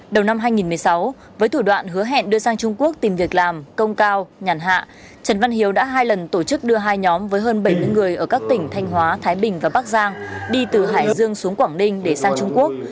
đầu năm hai nghìn một mươi sáu với thủ đoạn hứa hẹn đưa sang trung quốc tìm việc làm công cao nhàn hạ trần văn hiếu đã hai lần tổ chức đưa hai nhóm với hơn bảy mươi người ở các tỉnh thanh hóa thái bình và bắc giang đi từ hải dương xuống quảng ninh để sang trung quốc